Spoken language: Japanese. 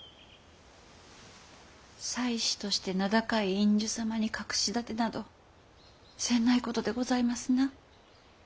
才子として名高い院主様に隠し立てなど詮ないことでございますな。